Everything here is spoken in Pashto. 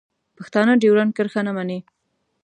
پښتانه ډیورنډ کرښه نه مني.